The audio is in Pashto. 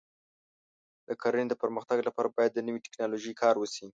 د کرنې د پرمختګ لپاره باید د نوې ټکنالوژۍ کار وشي.